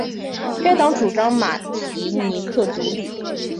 该党主张马提尼克独立。